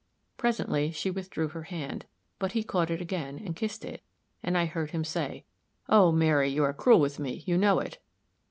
Presently she withdrew her hand; but he caught it again, and kissed it, and I heard him say, "Oh! Mary, you are cruel with me you know it."